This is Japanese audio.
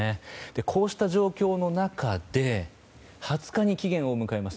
こうした状況の中で２０日に期限を迎えます